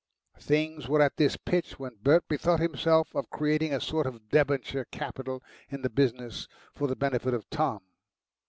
Things were at this pitch when Bert bethought himself of creating a sort of debenture capital in the business for the benefit of Tom.